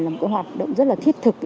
là một cái hoạt động rất là thiết thực